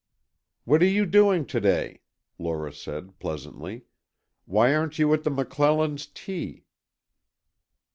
"What are you doing to day?" Lora said, pleasantly. "Why aren't you at the McClellan's tea?"